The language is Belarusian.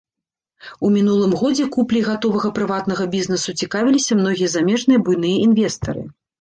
У мінулым годзе купляй гатовага прыватнага бізнесу цікавіліся многія замежныя буйныя інвестары.